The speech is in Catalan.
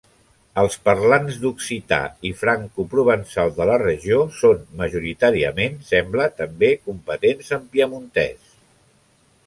Els parlants d'occità i francoprovençal de la regió són majoritàriament, sembla, també competents en piemontès.